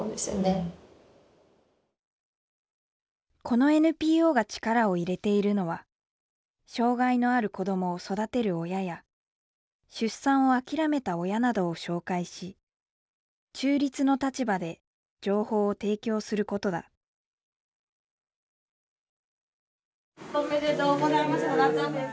このＮＰＯが力を入れているのは障害のある子どもを育てる親や出産を諦めた親などを紹介し中立の立場で情報を提供することだおめでとうございます。